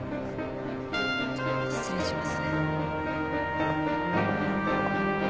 失礼します。